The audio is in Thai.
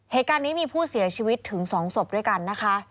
เหตุการณ์นี้มีผู้เสียชีวิตถึง๒ศพด้วยกันนะคะ